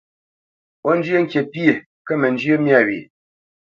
Ó zhyə́ ŋkǐ pyé, kə mə njyé myâ wyê.